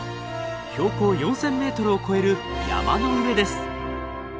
標高４，０００ｍを超える山の上です。